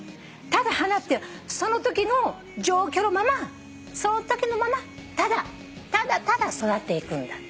ただ花ってそのときの状況のままそのときのままただただただ育っていくんだ。